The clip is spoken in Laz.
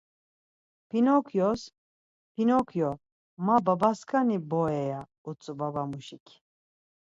Pinokyos, ‘Pinokyo, ma babaskani bore.’ Ya utzu babamuşik.